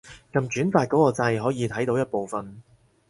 撳轉發嗰個掣可以睇到一部分